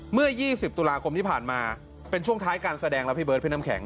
เมื่อ๒๐ตุลาคมที่ผ่านมาเป็นช่วงท้ายการแสดงแล้วพี่เบิร์ดพี่น้ำแข็ง